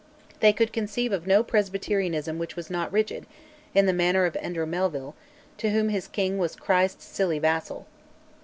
They could conceive of no Presbyterianism which was not rigid, in the manner of Andrew Melville, to whom his king was "Christ's silly vassal."